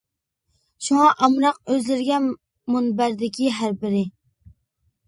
شۇڭا ئامراق ئۆزلىرىگە، مۇنبەردىكى ھەر بىرى.